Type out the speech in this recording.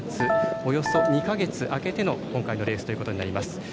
およそ２か月空けての今回のレースということになります。